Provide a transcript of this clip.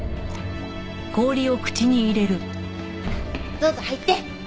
どうぞ入って。